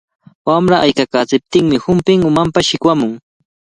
Wamra ayqiykachaptinmi humpin umanpa shikwamun.